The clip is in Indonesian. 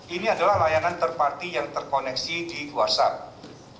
ini adalah layanan terparty yang terkoneksi di whatsapp